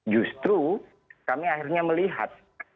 justru kami akhirnya melihat